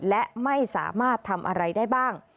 และไม่สามารถทำอะไรได้บ้าง